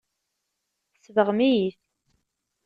Tsebɣem-iyi-t.